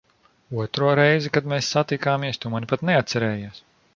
Otro reizi, kad mēs satikāmies, tu mani pat neatcerējies.